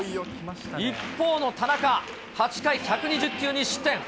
一方の田中、８回１２０球２失点。